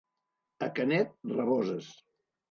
A Canet, raboses.